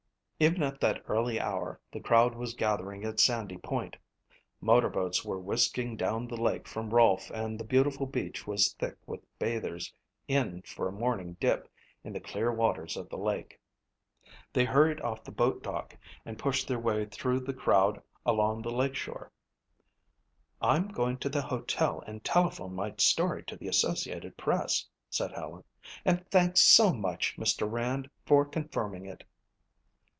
Even at that early hour the crowd was gathering at Sandy Point. Motor boats were whisking down the lake from Rolfe and the beautiful beach was thick with bathers in for a morning dip in the clear waters of the lake. They hurried off the boat dock and pushed their way through the crowd along the lake shore. "I'm going to the hotel and telephone my story to the Associated Press," said Helen. "And thanks so much, Mr. Rand, for confirming it."